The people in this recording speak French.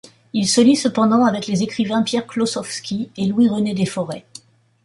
Il se lie cependant avec les écrivains Pierre Klossowski et Louis-René des Forêts.